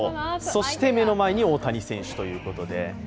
そして、目の前に大谷選手ということで。